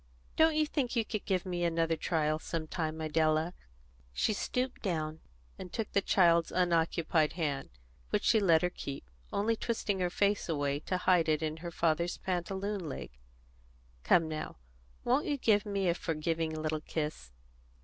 "Don't you think you could give me another trial some time, Idella?" She stooped down and took the child's unoccupied hand, which she let her keep, only twisting her face away to hide it in her father's pantaloon leg. "Come now, won't you give me a forgiving little kiss?"